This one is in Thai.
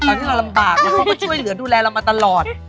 ตอนที่เราลำบากเขาก็ช่วยเหลือดูแลเรามาตลอด